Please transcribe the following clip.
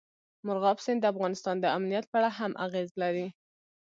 مورغاب سیند د افغانستان د امنیت په اړه هم اغېز لري.